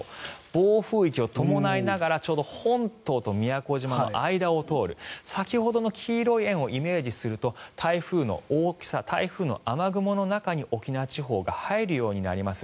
暴風域を伴いながら本島と宮古島の間を通る先ほどの黄色い円をイメージすると、台風の大きさ台風の雨雲の中に沖縄地方が入るようになります。